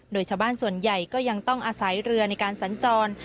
โดยชาวบ้านส่วนใหญ่ก็ยังต้องอาศัยเรือในการสัญจร